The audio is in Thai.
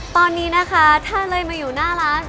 ตอนนี้นะคะถ้าเลยมาอยู่หน้าร้าน